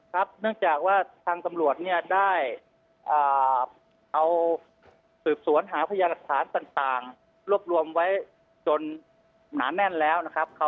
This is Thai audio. เนื่องจากว่าทางตำรวจเนี่ยได้เอาสืบสวนหาพยาหลักฐานต่างรวบรวมไว้จนหนาแน่นแล้วนะครับ